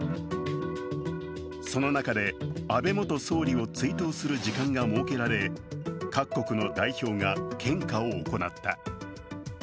その中で、安倍元総理を追悼する時間が設けられ各国の代表が献花を行った。